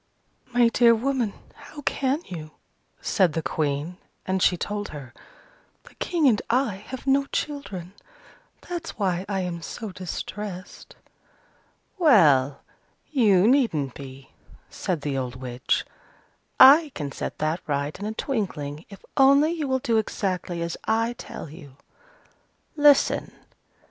"My dear woman, how can you?" said the Queen: and she told her, "The King and I have no children: that's why I am so distressed." "Well, you needn't be," said the old witch. "I can set that right in a twinkling, if only you will do exactly as I tell you. Listen.